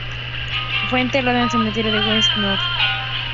Fue enterrado en el cementerio de West Norwood.